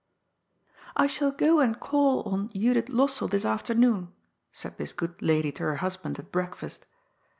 ^* I shall go and call on Judith Lossell this afternoon," said this good lady to her husband at breakfast.